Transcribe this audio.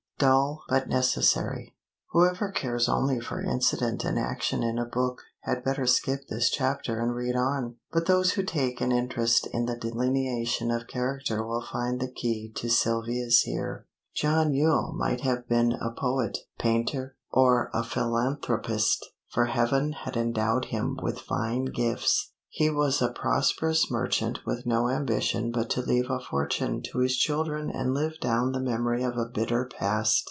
DULL BUT NECESSARY. Whoever cares only for incident and action in a book had better skip this chapter and read on; but those who take an interest in the delineation of character will find the key to Sylvia's here. John Yule might have been a poet, painter, or philanthropist, for Heaven had endowed him with fine gifts; he was a prosperous merchant with no ambition but to leave a fortune to his children and live down the memory of a bitter past.